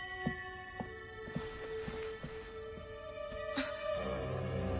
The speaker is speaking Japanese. あっ⁉